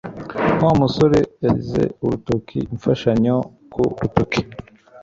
Wa musore yashyize urutoki-imfashanyo ku rutoki.